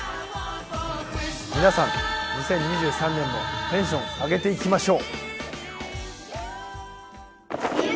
皆さん、２０２３年もテンション上げていきましょう！